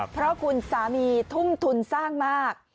เพราะคุณสามีทุ่มทุนสร้างมาก